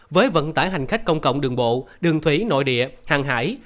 với vận tải hành khách công cộng đường bộ đường thủy nội địa hàng hải